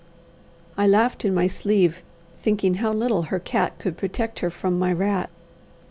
I laughed in my sleeve, thinking how little her cat could protect her from my rat.